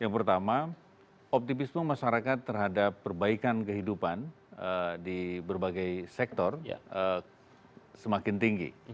yang pertama optimisme masyarakat terhadap perbaikan kehidupan di berbagai sektor semakin tinggi